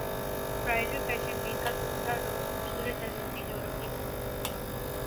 bridal fashion week کا دوسرا روز خوبصورت عروسی جوڑوں کی دھوم